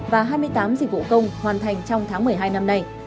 và hai mươi tám dịch vụ công hoàn thành trong tháng một mươi hai năm nay